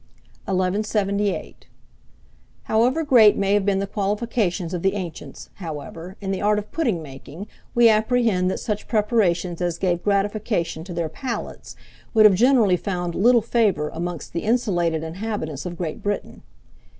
1178. HOWEVER GREAT MAY HAVE BEEN THE QUALIFICATIONS of the ancients, however, in the art of pudding making, we apprehend that such preparations as gave gratification to their palates, would have generally found little favour amongst the insulated inhabitants of Great Britain.